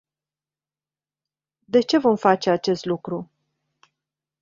De ce vom face acest lucru?